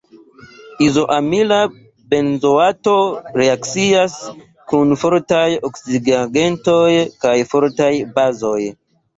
Izoamila benzoato reakcias kun fortaj oksidigagentoj kaj fortaj bazoj.